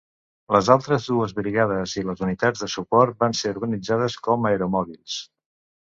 Les altres dues brigades i les unitats de suport van ser organitzades com aeromòbils.